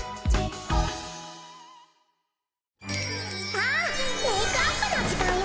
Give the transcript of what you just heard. さあメークアップの時間よ！